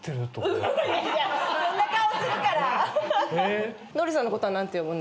そんな顔するから。